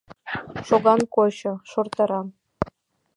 Шоган кочо - шортара.